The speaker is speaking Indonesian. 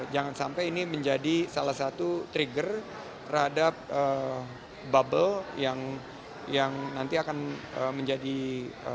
jangan sampai ini menjadi salah satu trigger terhadap bubble yang nanti akan menjadi